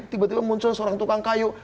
tiba tiba muncul seorang tukang kayu